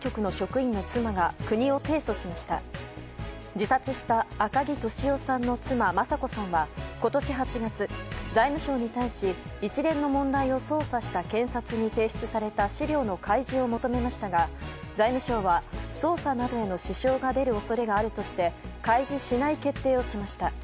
自殺した赤木俊夫さんの妻・雅子さんは今年８月、財務省に対し一連の問題を捜査した検察に提出された資料の開示を求めましたが財務省は捜査などへの支障が出る恐れがあるとして開示しない決定をしました。